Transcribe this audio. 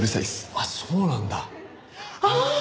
あっそうなんだ。ああ！